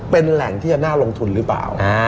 เป็นแหล่งที่จะน่าลงทุนหรือเปล่า